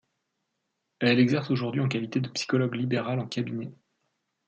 Elle exerce aujourd'hui en qualité de psychologue libérale en cabinet.